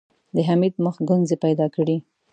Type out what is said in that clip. د حميد مخ ګونځې پيدا کړې.